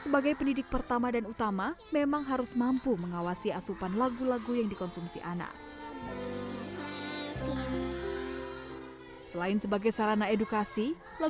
begitu kita punya tetangga tetangga di sekitar kita